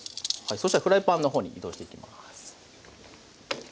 そしたらフライパンの方に移動していきます。